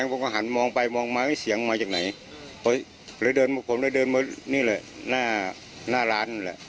สมมุติว่ากลับมานี่แหละหน้าร้านอยู่นั่นล่ะ